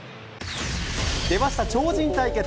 出ました、超人対決。